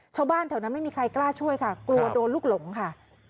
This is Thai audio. ชาวบ้านแถวนั้นไม่มีใครกล้าช่วยค่ะกลัวโดนลูกหลงค่ะ